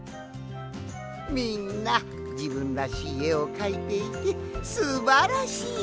みんなじぶんらしいえをかいていてすばらしいぞい！